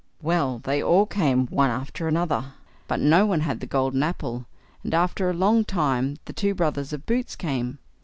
Well, they all came one after another, but no one had the golden apple, and after a long time the two brothers of Boots came.